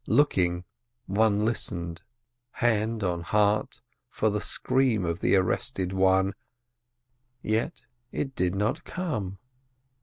Looking, one listened, hand on heart, for the scream of the arrested one, yet it did not come.